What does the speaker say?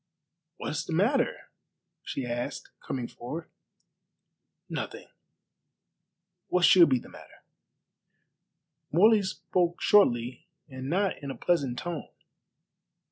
"What is the matter?" she asked, coming forward. "Nothing. What should be the matter?" Morley spoke shortly and not in a pleasant tone.